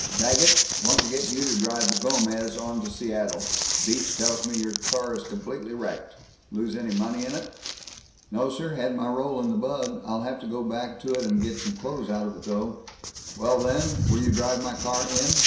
Daggett, want to get you to drive the Gomez on to Seattle. Beach tells me your car is completely wrecked. Lose any money in it?" "No, sir. Had my roll in the bug. I'll have to go back to it and get some clothes out of it, though." "Well, then, will you drive my car in?